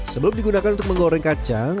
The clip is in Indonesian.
sebelum digunakan untuk menggoreng kacang